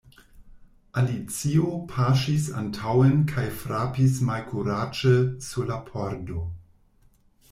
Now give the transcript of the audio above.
Alicio paŝis antaŭen kaj frapis malkuraĝe sur la pordo.